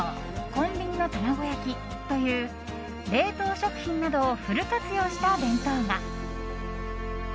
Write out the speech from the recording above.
コンビニの卵焼きという冷凍食品などをフル活用した弁当が。